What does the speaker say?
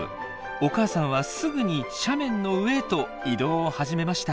お母さんはすぐに斜面の上へと移動を始めました。